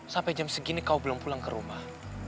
sampai jam segini kau belum pulang ke rumah